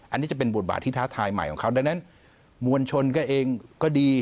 อันนี้จะเป็นบทบาทที่ท้าทายใหม่ของเขาดังนั้นมวลชนก็เองก็ดี